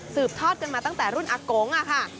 ทอดกันมาตั้งแต่รุ่นอากงค่ะ